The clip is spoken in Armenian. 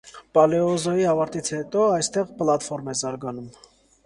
Պալեոզոյի ավարտից հետո այստեղ պլատֆորմ է զարգանում։